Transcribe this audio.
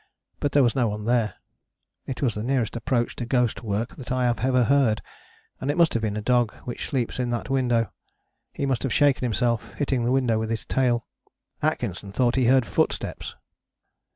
But there was no one there. It was the nearest approach to ghost work that I have ever heard, and it must have been a dog which sleeps in that window. He must have shaken himself, hitting the window with his tail. Atkinson thought he heard footsteps!"